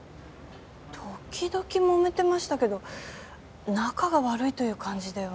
時々もめてましたけど仲が悪いという感じでは。